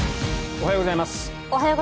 おはようございます。